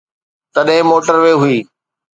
تڏهن موٽر وي هئي.